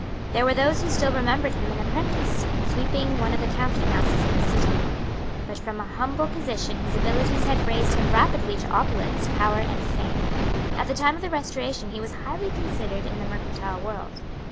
There were those who still remembered him an apprentice, sweeping one of the counting houses of the City. But from a humble position his abilities had raised him rapidly to opulence, power and fame. At the time of the Restoration he was highly considered in the mercantile world.